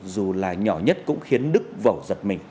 dù là nhỏ nhất cũng khiến đức vẩu giật mình